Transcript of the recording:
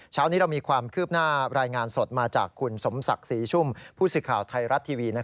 เช้านี้เรามีความคืบหน้ารายงานสดมาจากคุณสมศักดิ์ศรีชุ่มผู้สื่อข่าวไทยรัฐทีวี